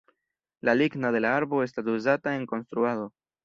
La ligno de la arbo estas uzata en konstruado.